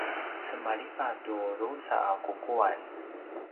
cemalivat tu drusa a kukuan